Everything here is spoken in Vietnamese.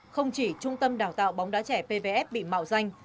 không chỉ trung tâm đào tạo bóng đá trẻ pvf bị mạo danh